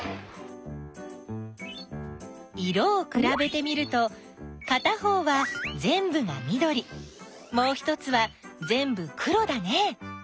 色をくらべてみるとかた方はぜんぶがみどりもう一つはぜんぶ黒だね。